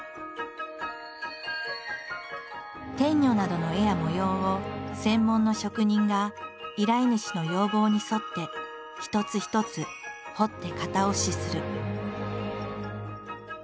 天女などの絵や模様を専門の職人が依頼主の要望に沿って一つ一つ彫って型押しする。